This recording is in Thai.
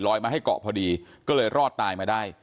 มาให้เกาะพอดีก็เลยรอดตายมาได้